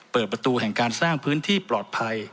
เปิดประตูแห่งการสร้างพื้นที่ปลอดภัย